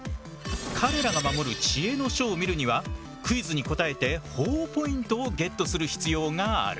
彼らが守る知恵の書を見るにはクイズに答えてほぉポイントをゲットする必要がある。